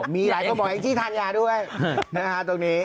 มีหลายกระบอกเองที่ทานยาด้วยนะฮะตรงนี้